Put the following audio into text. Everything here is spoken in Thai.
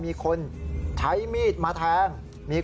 มีคนใช้มีดมาแทง